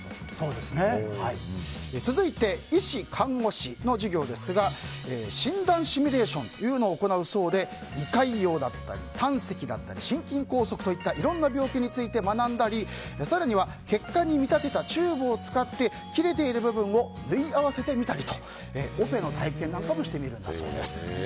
続いて医師・看護師の授業ですが診断シミュレーションというのを行うそうで胃潰瘍だったり胆石だったり心筋梗塞といったいろいろな病気について学んだり更には血管に見立てたチューブを使って切れている部分を縫い合わせてみたりとオペの体験もしてみるんだそうです。